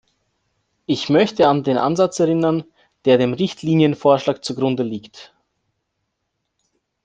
Ich möchte an den Ansatz erinnern, der dem Richtlinienvorschlag zugrunde liegt.